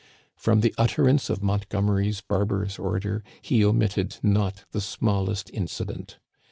From the utter ance of Montgomery's barbarous order he omitted not the smallest incident.